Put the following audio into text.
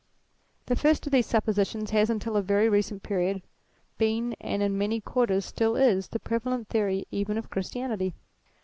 The first of these suppositions has until, a very recent period been and in many quarters still is, the prevalent theory even of Christianity.